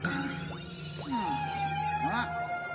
あっ。